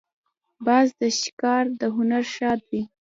باز د ښکار د هنر شاه دی